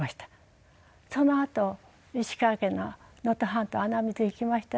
そのあと石川県の能登半島穴水行きましたらね